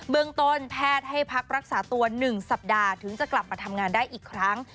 เมืองต้นแพทย์ให้พักรักษาตัว๑สัปดาห์ถึงจะกลับมาทำงานได้อีกครั้ง